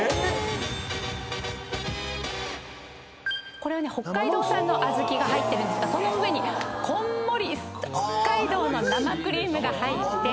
これは北海道産の小豆が入ってるんですがその上にこんもり北海道の生クリームが入って。